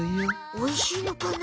おいしいのかな？